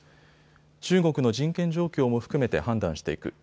中国の人権状況も含めて判断していく。